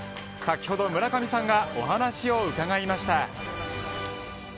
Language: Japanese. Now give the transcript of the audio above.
先ほど村上さんがお話を伺いました。